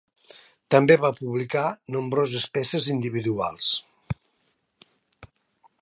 També va publicar nombroses peces individuals.